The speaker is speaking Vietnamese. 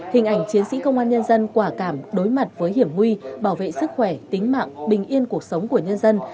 hình ảnh chiến sĩ công an nhân dân quả cảm đối mặt với hiểm nguy bảo vệ sức khỏe tính mạng bình yên cuộc sống của nhân dân